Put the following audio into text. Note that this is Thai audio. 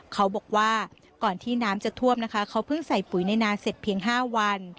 เขาบอกว่าก่อนที่น้ำจะท่วมนะคะเขาเพิ่งใส่ปุ๋ยในนาเสร็จเพียง๕วัน